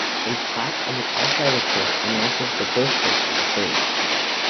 A plaque on the outside of the church announces the birthplace of the phrase.